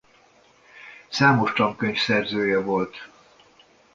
Számos tankönyv szerzője volt.